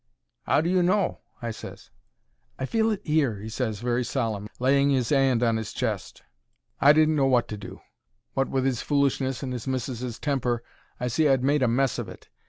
"'Ow do you know?" I ses. "I feel it 'ere," he ses, very solemn, laying his 'and on his chest. I didn't know wot to do. Wot with 'is foolishness and his missis's temper, I see I 'ad made a mess of it.